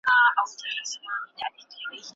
خلګ اوس د فکر کارول زده کوي.